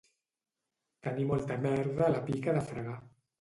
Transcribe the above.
Tenir molta merda a la pica de fregar.